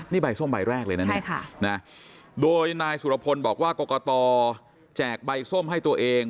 นี่ใบส้มใบแรกเลยนะเนี่ยโดยนายสุรพลบอกว่ากรกตแจกใบส้มให้ตัวเอง